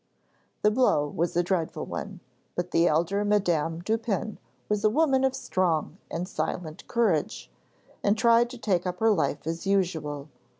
The blow was a dreadful one, but the elder Madame Dupin was a woman of strong and silent courage, and tried to take up her life as usual.